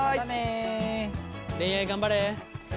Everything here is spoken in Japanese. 恋愛頑張れ。